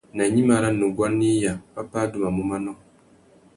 Nà gnïmá râ nuguá nà iya, pápá adumamú manô.